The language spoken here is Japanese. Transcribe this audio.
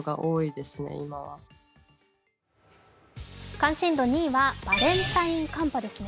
関心度２位はバレンタイン寒波ですね。